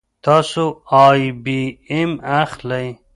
تاسو آی بي ایم اخلئ